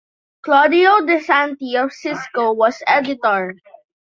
Claudio DeSanti of Cisco was editor.